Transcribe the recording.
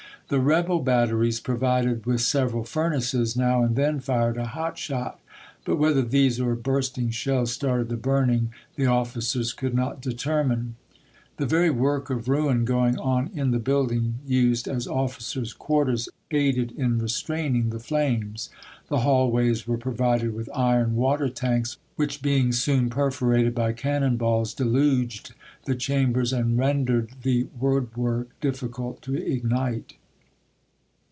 The rebel batteries, provided with several furnaces, now and then fired a hot shot ; but whether these or bursting shells started the burning the officers could not determine. The very work of ruin go ing on in the building used as officers' quarters aided in restraining the flames. The hall ways were provided with iron water tanks, which, being soon perforated by cannon balls, deluged the cham bers, and rendered the wood work difficult to iguite.